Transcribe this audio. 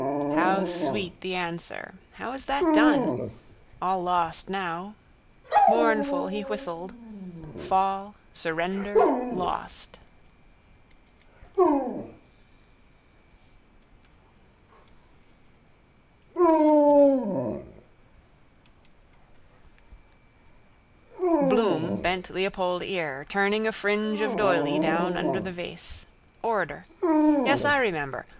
How sweet the answer. How is that done? All lost now. Mournful he whistled. Fall, surrender, lost. Bloom bent leopold ear, turning a fringe of doyley down under the vase. Order. Yes, I remember.